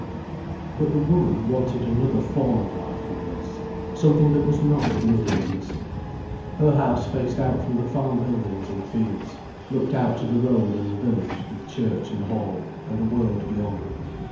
But the woman wanted another form of life than this, something that was not blood intimacy. Her house faced out from the farm buildings and fields, looked out to the road and the village with church and Hall and the world beyond.